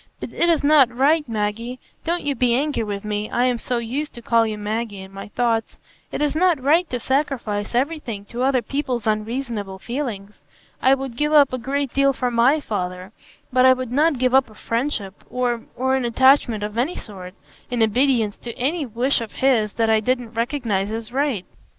But it is not right, Maggie,—don't you be angry with me, I am so used to call you Maggie in my thoughts,—it is not right to sacrifice everything to other people's unreasonable feelings. I would give up a great deal for my father; but I would not give up a friendship or—or an attachment of any sort, in obedience to any wish of his that I didn't recognise as right."